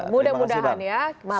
mudah mudahan ya malam ini